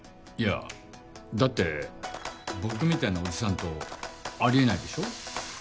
いやだって僕みたいなおじさんとありえないでしょ？